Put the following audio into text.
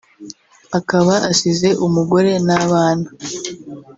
akaba asize umugore n’abana